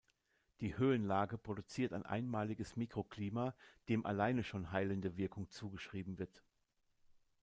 Die Höhenlage produziert ein einmaliges Mikroklima, dem alleine schon heilende Wirkung zugeschrieben wird.